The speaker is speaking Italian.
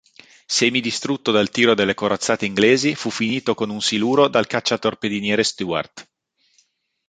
Semidistrutto dal tiro delle corazzate inglesi, fu finito con un siluro dal cacciatorpediniere Stuart.